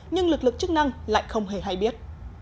nhưng lực lượng chức năng lại không hề hay biết